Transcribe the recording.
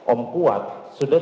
om kuat sudah